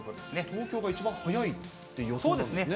東京が一番早いっていう予想そうですね。